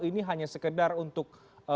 ini hanya sekedar untuk